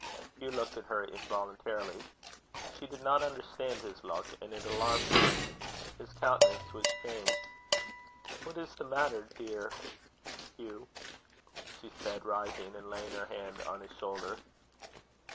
Hugh looked at her involuntarily. She did not understand his look, and it alarmed her. His countenance was changed. "What is the matter, dear Hugh?" she said, rising, and laying her hand on his shoulder.